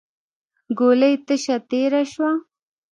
ګولۍ تشه تېره شوه.